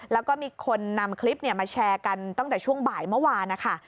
แล้วก็มีคนนำคลิปมาแชร์กันตั้งแต่ช่วงบ่ายเมื่อวานนะคะ